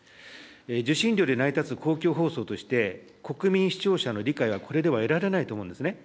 受信料で成り立つ公共放送として、国民・視聴者の理解がこれでは得られないと思うんですね。